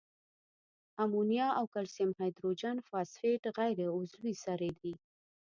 امونیا او کلسیم هایدروجن فاسفیټ غیر عضوي سرې دي.